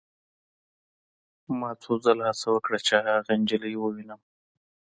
ما څو ځله هڅه وکړه چې هغه نجلۍ ووینم